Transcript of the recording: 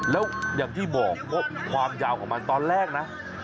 แล้วอย่างที่บอกว่าความยาวของมันตอนแรกนะ